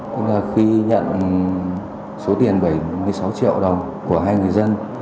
tức là khi nhận số tiền bảy mươi sáu triệu đồng của hai người dân